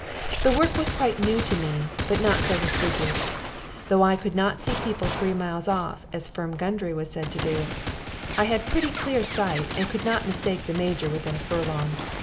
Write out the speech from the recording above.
The work was quite new to me, but not so his figure. Though I could not see people three miles off, as Firm Gundry was said to do, I had pretty clear sight, and could not mistake the Major within a furlong.